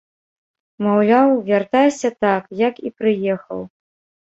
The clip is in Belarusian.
Маўляў, вяртайся так, як і прыехаў.